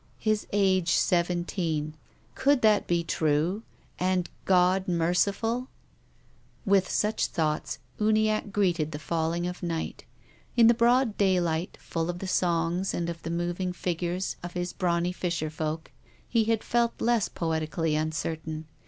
"His age seven teen." Could that be true and God merciful ? With such thoughts, Uniacke greeted the falling of night. In the broad daylight, full of the songs and of the moving figures of his brawny fisher folk, he had felt less poetically uncertain.